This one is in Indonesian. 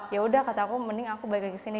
ya udah kata aku mending aku balik lagi ke sini